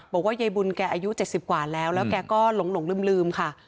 บอกว่ายายบุญแกอายุ๗๐กว่าแล้วแล้วแกก็หลงลืมค่ะ